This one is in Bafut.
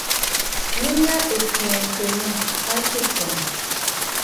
Nû yà ɨ̀ fɛ̀ɛ̀ŋkə̀ mə̂ tsɨ̂tsɔ̀ŋə̀.